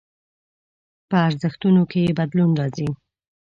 په ارزښتونو کې يې بدلون راځي.